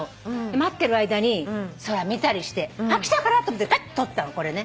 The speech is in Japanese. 待ってる間に空見たりしてあっ来たかなと思って撮ったのこれね。